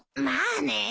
まあね。